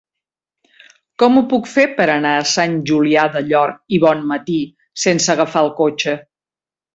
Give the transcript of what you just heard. Com ho puc fer per anar a Sant Julià del Llor i Bonmatí sense agafar el cotxe?